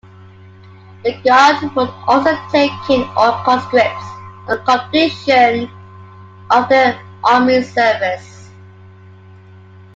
The Garde would also take in all conscripts on completion of their army service.